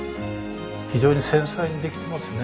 非常に繊細にできてますね。